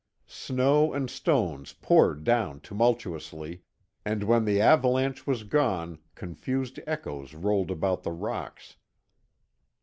Snow and stones poured down tumultuously, and when the avalanche was gone confused echoes rolled about the rocks.